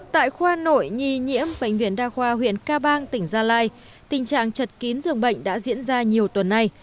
tại khoa nội nhi nhiễm bệnh viện đa khoa huyện ca bang tỉnh gia lai tình trạng chật kín dường bệnh đã diễn ra nhiều tuần nay